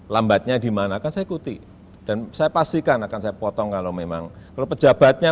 lambatnya dimana kan saya ikuti dan saya pastikan akan saya potong kalau memang kalau pejabatnya